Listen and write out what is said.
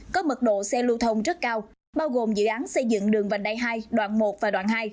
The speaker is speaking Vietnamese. có mật độ xe lưu thông rất cao bao gồm dự án xây dựng đường vành đai hai đoạn một và đoạn hai